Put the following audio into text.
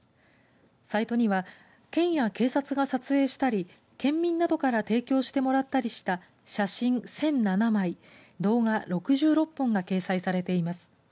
サイトには県や警察が撮影したり県民などから提供してもらったりした写真１００７枚動画６６本が掲載されています。